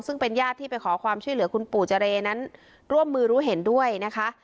ซึ่งเป็นญาติที่ไปขอความช่วยเหลือคุณปู่เจรนั้นร่วมมือรู้เห็นด้วยนะคะ